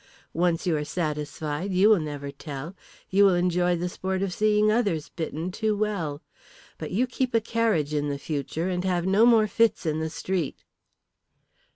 Once you are satisfied you will never tell you will enjoy the sport of seeing others bitten too well. But you keep a carriage in the future and have no more fits in the street."